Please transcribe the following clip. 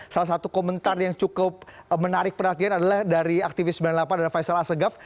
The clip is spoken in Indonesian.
salah satu komentar yang cukup menarik perhatian adalah dari aktivis sembilan puluh delapan dan faisal asegaf